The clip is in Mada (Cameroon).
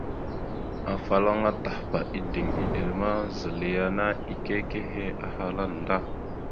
Afalaŋa Tahpa ideŋ iɗel ma, zal yana ike ekehe ahala nda.